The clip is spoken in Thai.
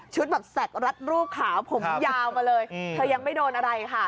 แบบแสกรัดรูปขาวผมยาวมาเลยเธอยังไม่โดนอะไรค่ะ